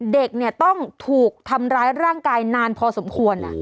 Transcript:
เด็กต้องถูกทำร้ายร่างกายนานพอสมควร